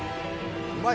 うまいね。